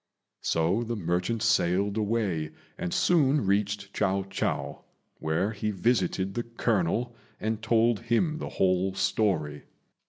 So the merchant sailed away and soon reached Chiao chou, where he visited the colonel and told him the whole story.